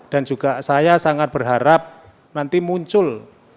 dan juga saya sangat berharap nanti muncul